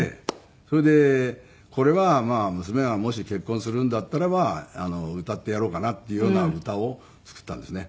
それでこれは娘がもし結婚するんだったらば歌ってやろうかなっていうような歌を作ったんですね。